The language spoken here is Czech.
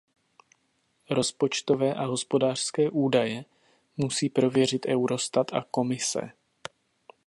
Rozpočtové a hospodářské údaje musí prověřit Eurostat a Komise.